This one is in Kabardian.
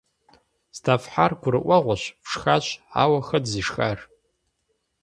Здэфхьар гурыӀуэгъуэщ – фшхащ, ауэ хэт зышхар?